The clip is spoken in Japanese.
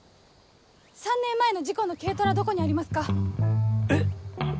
３年前の事故の軽トラどこにありますか？